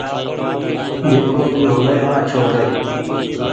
جڪو بي هووي آچهو هووي